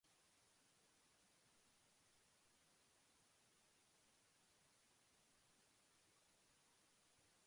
Hijo de Prudencio Lazcano y García Zúñiga y de Cruz Mujica Jáuregui y Correa.